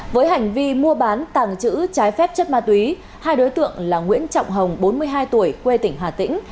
với hành vi mua bán tàng trữ trái phép chất ma túy hai đối tượng là nguyễn trọng hồng bốn mươi hai tuổi quê tỉnh hà tĩnh